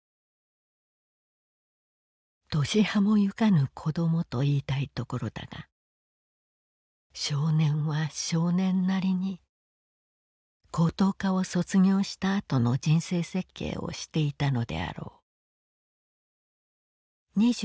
「年端もゆかぬ子供といいたいところだが少年は少年なりに高等科を卒業したあとの人生設計をしていたのであろう」。